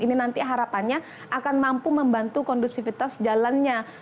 ini nanti harapannya akan mampu membantu kondusivitas jalannya